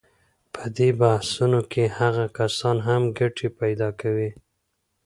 په دې بحثونو کې هغه کسان هم ګټې پیدا کوي.